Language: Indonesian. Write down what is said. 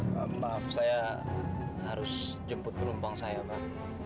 maaf saya harus jemput pelompong saya pak